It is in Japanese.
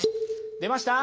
出ました？